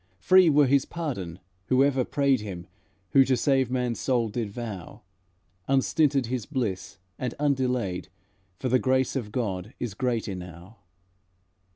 Free were his pardon whoever prayed Him who to save man's soul did vow, Unstinted his bliss, and undelayed, For the grace of God is great enow."